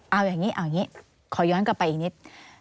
เอาอย่างนี้ขอย้อนกลับไปอีกนิด